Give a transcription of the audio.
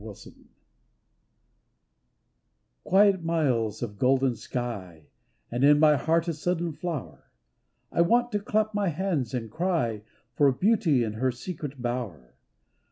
DAWN Quiet miles of golden sky, And in my heart a sudden flower. I want to clap my hands and cry For Beauty in her secret bower.